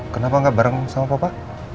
kenapa nggak bareng sama papa